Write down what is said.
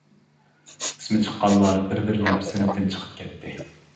ئىسمى چىققانلار بىر-بىرلەپ سىنىپتىن چىقىپ كەتتى.